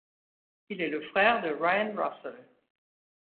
Il est le frère de Ryan Russell.